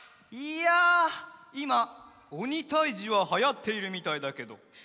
いやいまおにたいじははやっているみたいだけど。